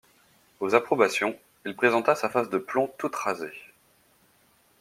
Aux approbations, il présenta sa face de plomb toute rasée.